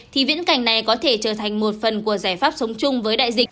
thì viễn cảnh này có thể trở thành một phần của giải pháp sống chung với đại dịch